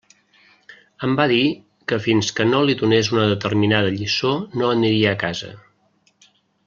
Em va dir que fins que no li donés una determinada lliçó no aniria a casa.